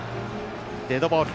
デッドボール。